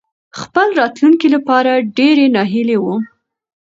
خپل راتلونکې لپاره ډېرې ناهيلې وم.